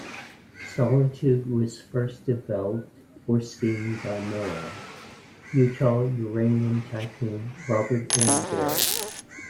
Solitude was first developed for skiing by Moab, Utah uranium tycoon Robert M. Barrett.